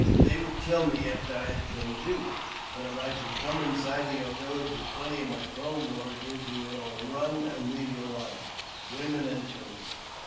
They would kill me after I had killed you. But if I should come in sight of your village with twenty of my Crow warriors, you would all run and leave your lodges, women, and children.